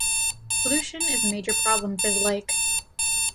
Pollution is a major problem for the lake.